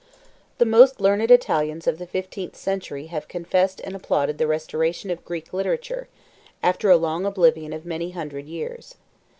The most learned Italians of the fifteenth century have confessed and applauded the restoration of Greek literature, after a long oblivion of many hundred years.